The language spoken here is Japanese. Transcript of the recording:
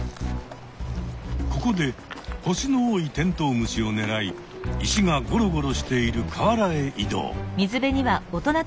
ここで星の多いテントウムシをねらい石がごろごろしている河原へ移動。